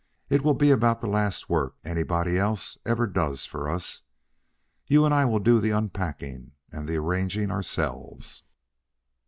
It will be about the last work anybody else ever does for us. You and I will do the unpacking and the arranging ourselves."